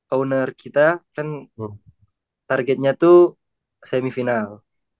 owner kita kan targetnya tuh semifinal